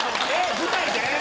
舞台で？